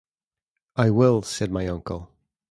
“I will,” said my uncle.